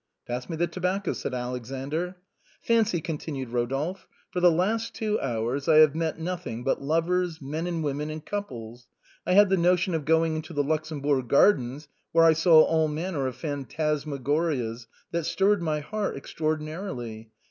" Pass me the tobacco," said Alexander. " Fancy," continued Rodolphe, " for the last two hours I have met nothing but lovers, men and women in couples. I had the notion of going into the Luxembourg Gardens, where I saw all maimer of phantasmagorias, that stirred my heart extraordinarily.